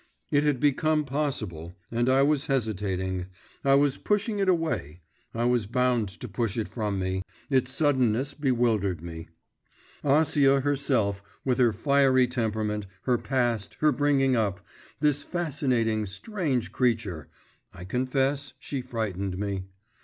It had become possible, and I was hesitating, I was pushing it away, I was bound to push it from me its suddenness bewildered me. Acia herself, with her fiery temperament, her past, her bringing up, this fascinating, strange creature, I confess she frightened me.